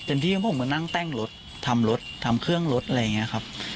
ไม่มีครับเต็มที่ผมก็นั่งแต้งรถทำรถทำเครื่องรถอะไรอย่างนี้ครับ